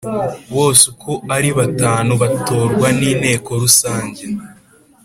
Bose uko ari batanu batorwa n ‘inteko rusange.